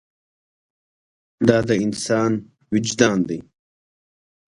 دا د انسان وجدان دی.